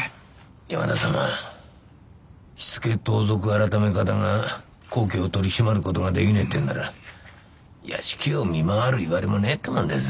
山田様火付盗賊改方が高家を取り締まることができねえってんなら屋敷を見回るいわれもねえってもんです。